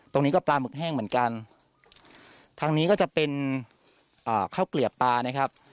ตรงนี้ก็ปลาหมึกแห้งเหมือนกันทางนี้ก็จะเป็นข้าวเกลียบปลานะครับ